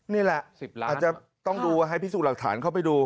นี่แหละอาจจะต้องดูให้พิสูจน์หลักฐานเข้าไปดู